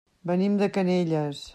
Venim de Canyelles.